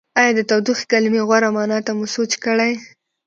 ایا د تودوخې کلمې غوره معنا ته مو سوچ کړی؟